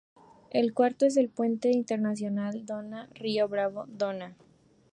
El cuarto es el Puente Internacional "Donna" Río Bravo-Donna.